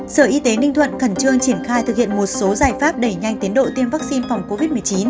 sở y tế ninh thuận khẩn trương triển khai thực hiện một số giải pháp đẩy nhanh tiến độ tiêm vaccine phòng covid một mươi chín